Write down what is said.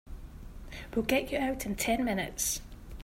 We'll get you out in ten minutes.